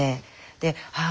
でああ